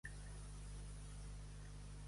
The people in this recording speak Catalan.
Estar al judicat.